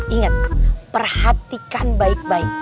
ingat perhatikan baik baik